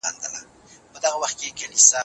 د جلات خان او شمايلې کيسه څنګه وه؟